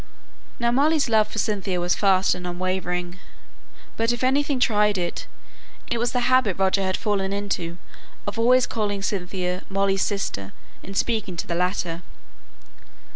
Now Molly's love for Cynthia was fast and unwavering, but if anything tried it, it was the habit Roger had fallen into of always calling Cynthia Molly's sister in speaking to the latter.